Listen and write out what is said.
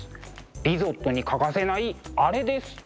リゾットに欠かせないアレです。